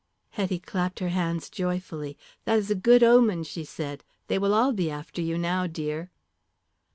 Hetty clapped her hands joyfully. "That is a good omen," she said. "They will be all after you now, dear."